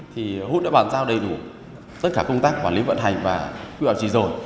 thì hút đã bàn giao đầy đủ tất cả công tác quản lý vận hành và quỹ bảo trì rồi